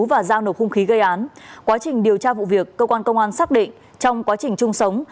trong quá trình điều tra vụ việc cơ quan công an xác định trong quá trình chung sống